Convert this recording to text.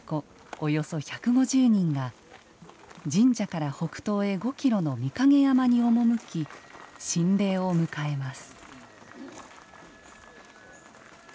およそ１５０人が神社から北東へ５キロの御蔭山に赴き神霊を迎えます。